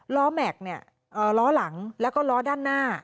ล้อแม็กซ์ล้อหลังแล้วก็ล้อด้านหน้า